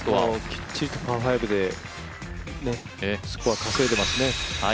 きっちりとパー５でスコア稼いでますね。